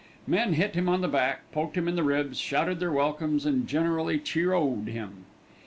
Men hit him on the back, poked him in the ribs, shouted their welcomes and generally cheer oh'd him.